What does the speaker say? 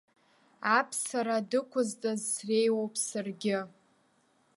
Аԥсара дықәызцаз среиуоуп саргьы.